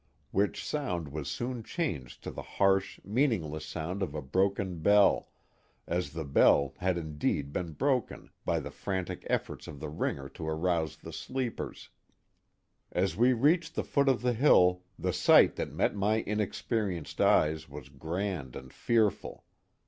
which sound was soon changed to the harsh, mean ingless sound of a broken bell, as the bell had indeed been broken by the frantic efforts of the ringer to arouse the sleep ers. As we reached the foot of the hill the sight that met my inexperienced eyes was grand and fearful.